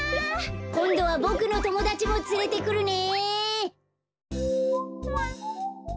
こんどはボクのともだちもつれてくるね。